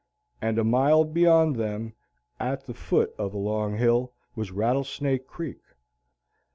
And a mile beyond them, at the foot of a long hill, was Rattlesnake Creek.